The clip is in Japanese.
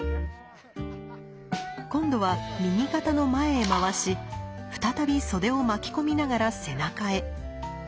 今度は右肩の前へ回し再び袖を巻き込みながら背中へ。